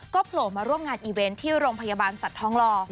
โผล่มาร่วมงานอีเวนต์ที่โรงพยาบาลสัตว์ทองหล่อ